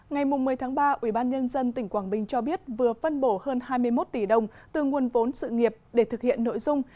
ngày một mươi tháng ba ubnd tỉnh quảng bình cho biết vừa phân bổ hơn hai mươi một tỷ đồng từ nguồn vốn sự nghiệp để thực hiện nội dung